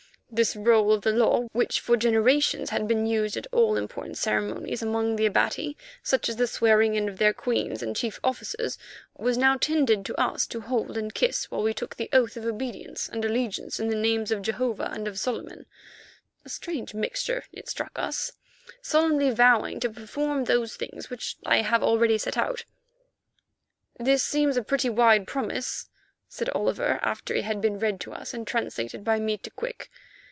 This roll of the law, which for generations had been used at all important ceremonies among the Abati, such as the swearing in of their queens and chief officers, was now tendered to us to hold and kiss while we took the oath of obedience and allegiance in the names of Jehovah and of Solomon (a strange mixture, it struck us), solemnly vowing to perform those things which I have already set out. "This seems a pretty wide promise," said Oliver, after it had been read to us and translated by me to Quick.